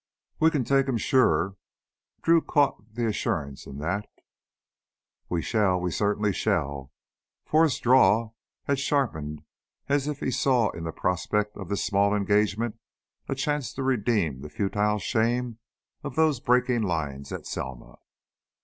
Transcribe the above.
"We can take 'em, suh." Drew caught the assurance in that. "We shall, we certainly shall!" Forrest's drawl had sharpened as if he saw in the prospect of this small engagement a chance to redeem the futile shame of those breaking lines at Selma.